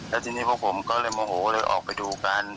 แล้วทีนี้พวกผมก็เลยโมโหเลยออกไปดูกัน